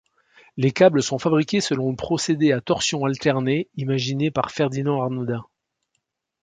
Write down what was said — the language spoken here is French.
Les câbles sont fabriqués selon le procédé à torsion alternée imaginé par Ferdinand Arnodin.